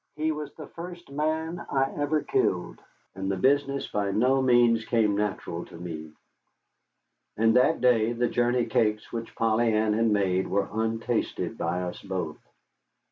He was the first man I ever killed, and the business by no means came natural to me. And that day the journey cakes which Polly Ann had made were untasted by us both.